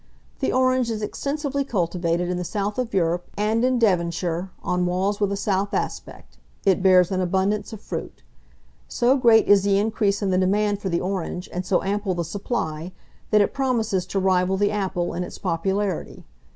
The orange is extensively cultivated in the south of Europe, and in Devonshire, on walls with a south aspect, it bears an abundance of fruit. So great is the increase in the demand for the orange, and so ample the supply, that it promises to rival the apple in its popularity.